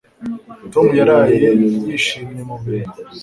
Tom yaraye yishimye mu birori.